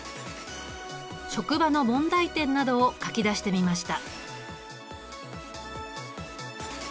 職場の問題点などを書き出してみました。